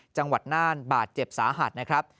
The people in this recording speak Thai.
จังหวัดน่านบาดเจ็บสาหัสนะครับ